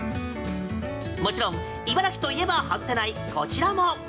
もちろん、茨城といえば外せないこちらも。